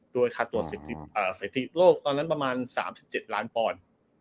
ด้วยคัดตัวสถิติโลกตอนนั้นประมาณ๓๗ล้านพล